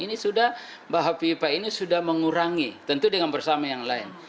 ini sudah mbak hafifah ini sudah mengurangi tentu dengan bersama yang lain